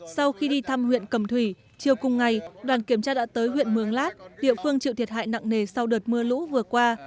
sau khi đi thăm huyện cầm thủy chiều cùng ngày đoàn kiểm tra đã tới huyện mường lát địa phương chịu thiệt hại nặng nề sau đợt mưa lũ vừa qua